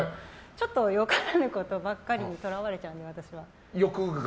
ちょっと、よからぬことばかりにとらわれちゃうので、私は。